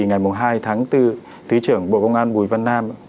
ngày hai tháng bốn thứ trưởng bộ công an bùi văn nam